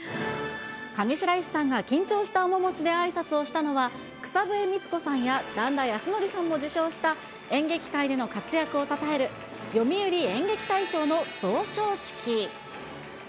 上白石さんが緊張した面持ちであいさつをしたのは草笛光子さんやだんだやすのりさんも受賞した演劇界での活躍をたたえる、読売演劇大賞の贈賞式。